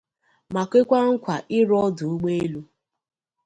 ma kwekwa nkwa ịrụ ọdụ ụgbọ elu